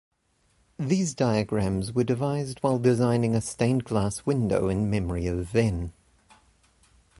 These diagrams were devised while designing a stained-glass window in memory of Venn.